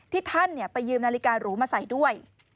ที่ท่านเนี่ยไปยืมนาฬิการหรูมาใส่ด้วย